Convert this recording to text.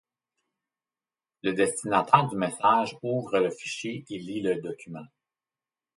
Le destinataire du message ouvre le fichier et lit le document.